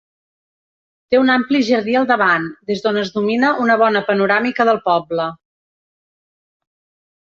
Té un ampli jardí al davant des d'on es domina una bona panoràmica del poble.